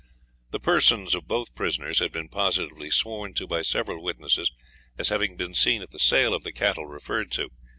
The persons of both prisoners had been positively sworn to by several witnesses as having been seen at the sale of the cattle referred to.